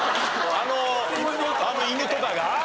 あの犬とかが？